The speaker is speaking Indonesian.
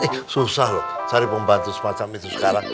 ini susah loh cari pembantu semacam itu sekarang